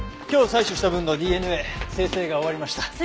今日採取した分のＤＮＡ精製が終わりました。